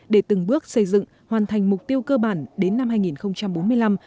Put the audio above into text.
để từng bước xây dựng hoàn thành mục tiêu cơ bản đến năm hai nghìn bốn mươi năm